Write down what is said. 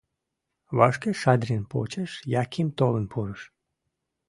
Вашке Шадрин почеш Яким толын пурыш.